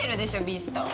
ビースト。